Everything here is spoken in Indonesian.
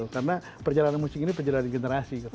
karena perjalanan musik ini perjalanan generasi